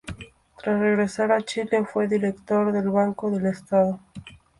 Tras regresar a Chile fue director del Banco del Estado.